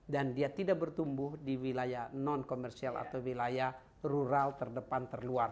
dan dia tidak bertumbuh di wilayah non komersial atau wilayah rural terdepan terluar